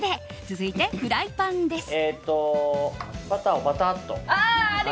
続いて、フライパンです。